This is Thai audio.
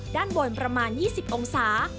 ด้านบนประมาณ๒๐องศา